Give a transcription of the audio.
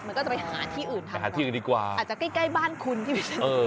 มันก็จะไปหาที่อื่นหาที่อื่นดีกว่าอาจจะใกล้ใกล้บ้านคุณที่พี่ฉันตก